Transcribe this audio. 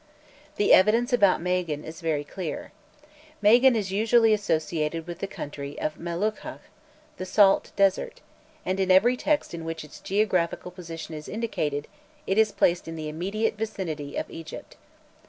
The evidence about Magan is very clear. Magan is usually associated with the country of Melukhkha, "the salt" desert, and in every text in which its geographical position is indicated it is placed in the immediate vicinity of Egypt.